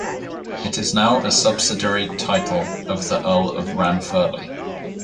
It is now a subsidiary title of the Earl of Ranfurly.